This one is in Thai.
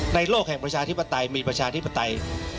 โลกแห่งประชาธิปไตยมีประชาธิปไตย